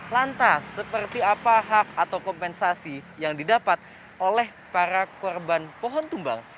lantas seperti apa hak atau kompensasi yang didapat oleh para korban pohon tumbang